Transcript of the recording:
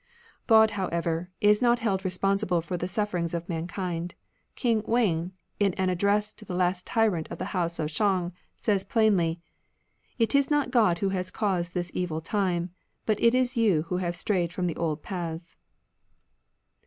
God, however, is not held responsible for the sufferings of mankind. King Wen, in an address to the last tyrant of the House of Shang, says plainly, It is not God who has caused this evil time. But it is you who have strayed from the old paths.